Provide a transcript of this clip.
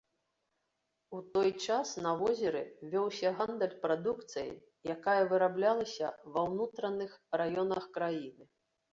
У той час на возеры вёўся гандаль прадукцыяй, якая выраблялася ва ўнутраных раёнах краіны.